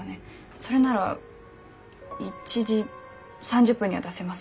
それなら１時３０分には出せます。